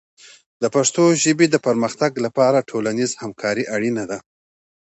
د پښتو ژبې د پرمختګ لپاره ټولنیز همکاري اړینه ده.